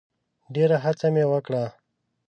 ډېره هڅه مي وکړه .